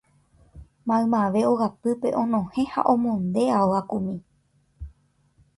Maymave ogapýpe onohẽ ha omonde ao akumi